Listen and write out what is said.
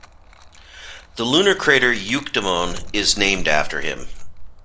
The lunar crater Euctemon is named after him.